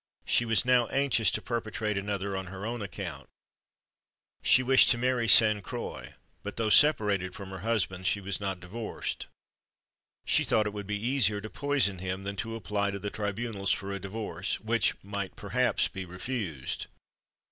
She was now anxious to perpetrate another on her own account. She wished to marry Sainte Croix; but, though separated from her husband, she was not divorced. She thought it would be easier to poison him than to apply to the tribunals for a divorce, which might, perhaps, be refused.